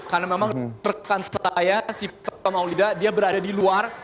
karena memang rekan saya si pak maulida dia berada di luar